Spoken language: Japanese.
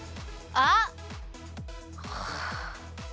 あっ！